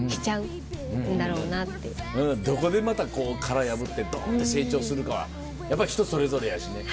どこでまたこう殻破ってドン！って成長するかはやっぱり人それぞれやしね。